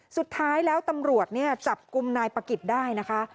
สุดท้ายแล้วตำรวจจับกุมนายปะกิดได้นะคะ